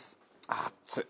熱っ！